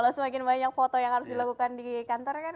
kalau semakin banyak foto yang harus dilakukan di kantor kan